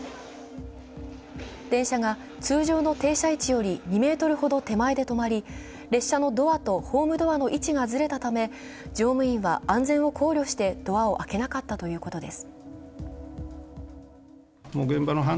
電車が通常の停車位置より２ｍほど手前で止まり列車のドアとホームドアの位置がずれたため、乗務員は安全を考慮してドアを開けなかったということです。